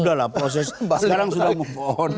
udahlah proses sekarang sudah move on